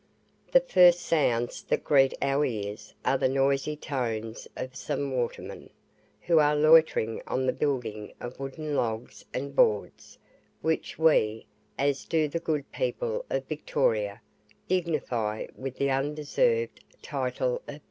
The first sounds that greet our ears are the noisy tones of some watermen, who are loitering on the building of wooden logs and boards, which we, as do the good people of Victoria, dignify with the undeserved title of PIER.